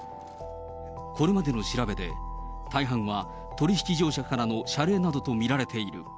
これまでの調べで、大半は取り引き業者からの謝礼などと見られている。